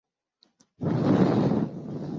Sina Bwana mwingine ila wewe